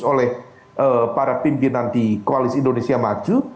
oleh para pimpinan di koalisi indonesia maju